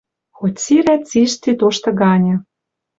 Хоть сирӓ цишти тошты ганьы